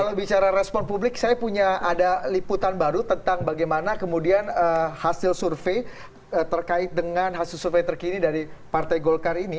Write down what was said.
kalau bicara respon publik saya punya ada liputan baru tentang bagaimana kemudian hasil survei terkait dengan hasil survei terkini dari partai golkar ini